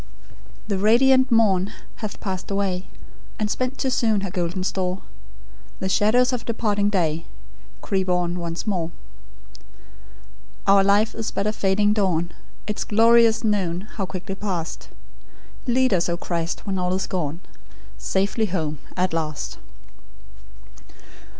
"The radiant morn hath passed away, And spent too soon her golden store; The shadows of departing day Creep on once more. "Our life is but a fading dawn, Its glorious noon, how quickly past! Lead us, O Christ, when all is gone, Safe home at last.